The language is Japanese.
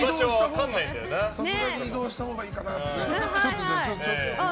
さすがに移動したほうがいいかなって。